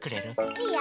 いいよ。